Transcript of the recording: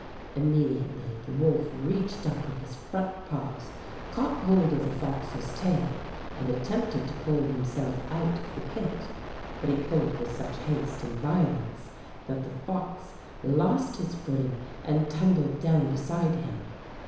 Immediately the wolf reached 155 Fairy Tale Foxes up with his front paws, caught hold of the fox's tail, and attempted to pull himself out of the pit, but he pulled with such haste and violence that the fox lost his footing and tumbled down beside him.